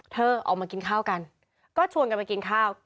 เธอออกมากินข้าวกันก็ชวนกันไปกินข้าว